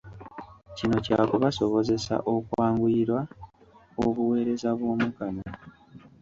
Kino kyakubasobozesa okwanguyirwa obuweereza bw’Omukama.